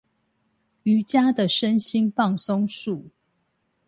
瑜珈的身心放鬆術